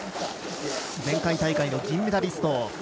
前回大会の銀メダリスト